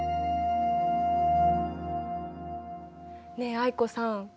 ねえ藍子さん